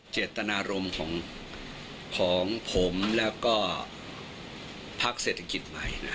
เจตนารมณ์ของผมแล้วก็พักเศรษฐกิจใหม่